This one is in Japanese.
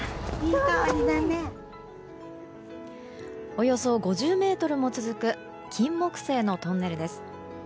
およそ５０ｍも続くキンモクセイのトンネルです。